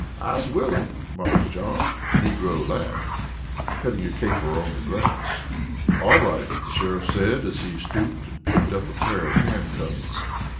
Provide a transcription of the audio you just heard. "I's willin', Marse John," the negro laughed, cutting a caper on the grass. "All right!" the sheriff said as he stooped and picked up a pair of handcuffs.